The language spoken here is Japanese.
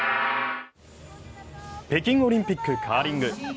北京オリンピック、カーリング。